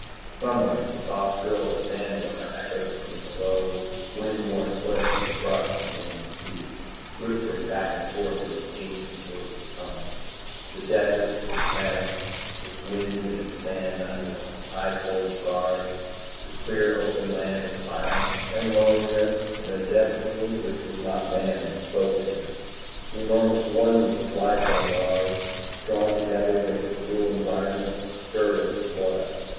Somewhere the soft trill of a sandrunner echoed between low wind worn cliffs, and the brush began to speak, whispering back and forth in its ancient wordless tongue. The desert, the planet and its wind and sand under the high cold stars, the clean open land of silence and loneliness and a destiny which was not man's, spoke to him. The enormous oneness of life on Mars, drawn together against the cruel environment, stirred in his blood.